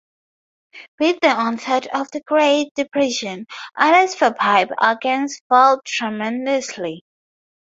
With the onset of the Great Depression, orders for pipe organs fell tremendously.